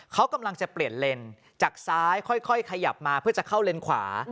เขากำลังจะเปลี่ยนเลนจากซ้ายค่อยขยับมาเพื่อจะเข้าเลนขวา